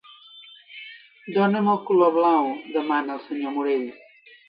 Dóna'm el color blau —demana el senyor Morell.